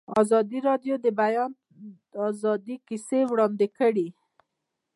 ازادي راډیو د د بیان آزادي کیسې وړاندې کړي.